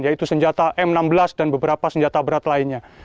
yaitu senjata m enam belas dan beberapa senjata berat lainnya